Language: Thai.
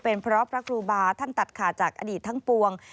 เป็นเพราะพระครูบาท่านตัดขาดจากอดีตทั้งปวง